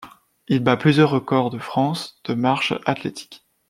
Il bat plusieurs records de France de marche athlétique.